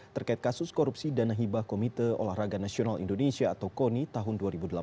terkait kasus korupsi dana hibah komite olahraga nasional indonesia atau koni tahun dua ribu delapan belas